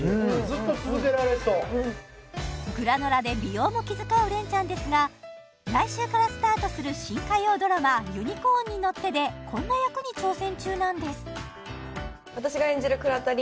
グラノラで美容も気遣う恋ちゃんですが来週からスタートする新火曜ドラマ「ユニコーンに乗って」でこんな役に挑戦中なんです私が演じる倉田凛